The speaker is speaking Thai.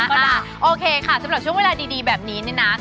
ก็ได้โอเคค่ะสำหรับช่วงเวลาดีแบบนี้เนี่ยนะ